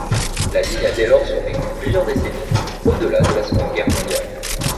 La ligne a dès lors survécu plusieurs décennies, au-delà de la Seconde Guerre mondiale.